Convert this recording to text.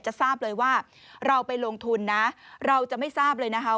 ทราบเลยว่าเราไปลงทุนนะเราจะไม่ทราบเลยนะคะ